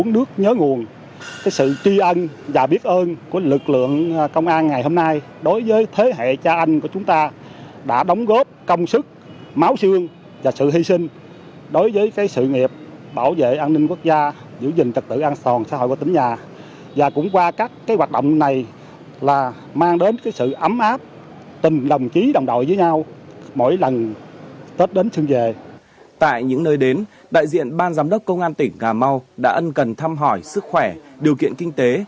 đại diện ban giám đốc công an tỉnh ngà mau đã ân cần thăm hỏi sức khỏe điều kiện kinh tế